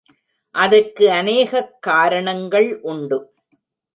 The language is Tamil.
அதற்கு அநேகக் காரணங்கள் உண்டு.